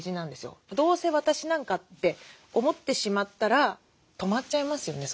「どうせ私なんか」って思ってしまったら止まっちゃいますよね